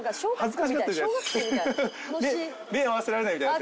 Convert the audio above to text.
目合わせられないみたいに。